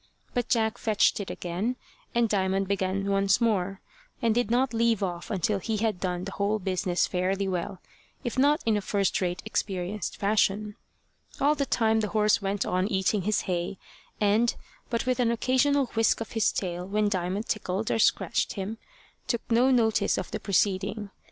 But Jack fetched it again, and Diamond began once more, and did not leave off until he had done the whole business fairly well, if not in a first rate, experienced fashion. All the time the old horse went on eating his hay, and, but with an occasional whisk of his tail when Diamond tickled or scratched him, took no notice of the proceeding.